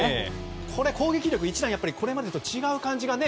これ、攻撃力が一段これまでと違う感じがね。